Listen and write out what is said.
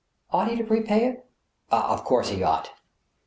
" Ought he to prepay it ? Of course, he ought.